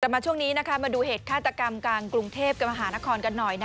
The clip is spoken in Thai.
มาช่วงนี้มาดูเหตุฆาตกรรมกลางกรุงเทพกับมหานครกันหน่อย